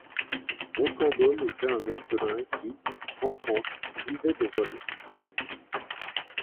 Rocambole était un orphelin qui, enfant, vivait de vol.